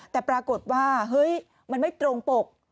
แต่ปรากฏว่าเฮ้ยมันไม่ตรงปก